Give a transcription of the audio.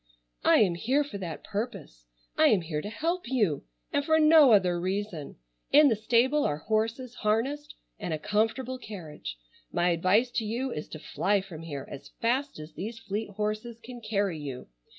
"I am here for that purpose. I am here to help you and for no other reason. In the stable are horses harnessed and a comfortable carriage. My advice to you is to fly from here as fast as these fleet horses can carry you.